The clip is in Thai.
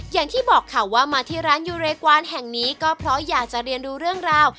อย่างที่บอกค่ะว่ามาที่ร้านยูเรกวานแห่งนี้ก็เพราะอยากจะเรียนดูเรื่องราว